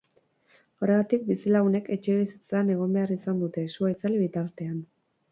Horregatik, bizilagunek etxebizitzetan egon behar izan dute, sua itzali bitartean.